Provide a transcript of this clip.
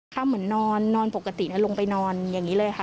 เหมือนนอนปกติลงไปนอนอย่างนี้เลยค่ะ